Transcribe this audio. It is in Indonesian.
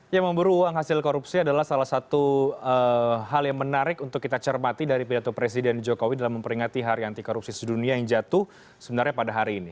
yang memburu uang hasil korupsi adalah salah satu hal yang menarik untuk kita cermati dari pidato presiden jokowi dalam memperingati hari anti korupsi sedunia yang jatuh sebenarnya pada hari ini